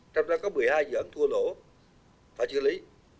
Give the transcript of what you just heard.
trong đó có một mươi hai dự án thua lỗ phải xử lý